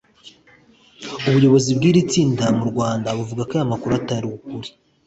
ubuyobozi bw’iri tsinda mu rwanda buvuga ko ayo makuru atari ukuri